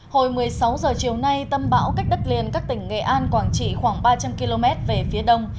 hồi một mươi sáu h chiều nay tâm bão cách đất liền các tỉnh nghệ an quảng trị khoảng ba trăm linh km về phía đông